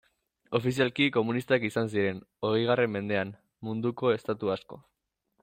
Ofizialki komunistak izan ziren, hogeigarren mendean, munduko estatu asko.